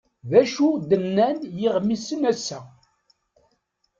D acu d-nnan yiɣmisen ass-a?